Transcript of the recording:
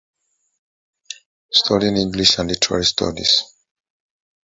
This is the only award that the winner is chosen by the fans.